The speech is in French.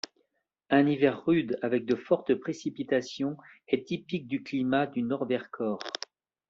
Un hiver rude avec de fortes précipitations est typique du climat du nord Vercors.